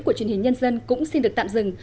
của truyền hình nhân dân cũng xin được tạm dừng